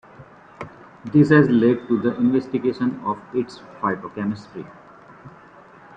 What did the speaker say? This has led to the investigation of its phytochemistry.